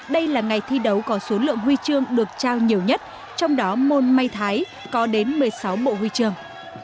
đây là ngày thi đấu có số lượng huy chương được trao nhiều nhất trong đó môn may thái có đến một mươi sáu bộ huy chương